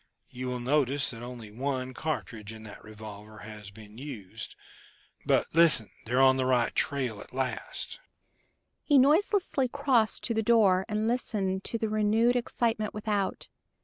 You will notice that only one cartridge in that revolver has been used. But, listen they're on the right trail at last." He noiselessly crossed to the door and listened to the renewed excitement without.